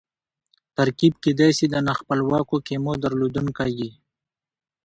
ترکیب کېدای سي د نا خپلواکو کیمو درلودونکی يي.